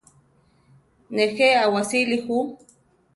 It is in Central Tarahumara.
Nejé awasíli ju.